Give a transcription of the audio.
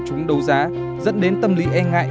chúng đấu giá dẫn đến tâm lý e ngại